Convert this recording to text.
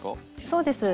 そうです